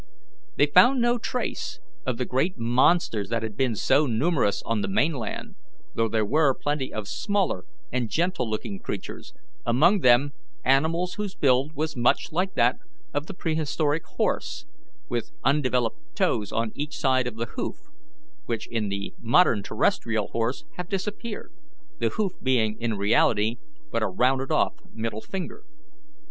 They found no trace of the great monsters that had been so numerous on the mainland, though there were plenty of smaller and gentle looking creatures, among them animals whose build was much like that of the prehistoric horse, with undeveloped toes on each side of the hoof, which in the modern terrestrial horse have disappeared, the hoof being in reality but a rounded off middle finger.